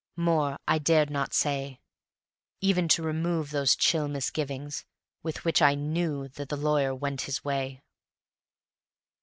More I dared not say, even to remove those chill misgivings with which I knew that the lawyer went his way.